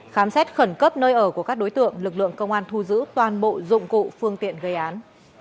khám xét khẩn cấp nơi ở của các đối tượng lực lượng công an thu giữ toàn bộ dụng cụ phương tiện gây án